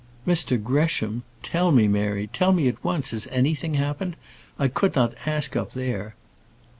"Mr Gresham! Tell me, Mary tell me, at once has anything happened? I could not ask up there."